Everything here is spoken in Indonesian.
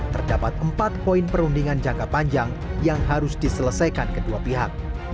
terdapat empat poin perundingan jangka panjang yang harus diselesaikan kedua pihak